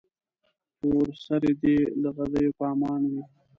تور سرې دې له غدیو په امان وي.